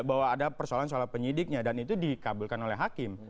bahwa ada persoalan soal penyidiknya dan itu dikabulkan oleh hakim